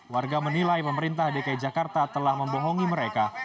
warga menilai pemerintah dki jakarta telah membohongi mereka